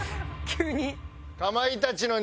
急に。